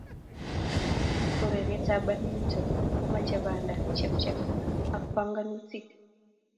Urerietab badminton ko mochei banda ne chep chep ak pongonutik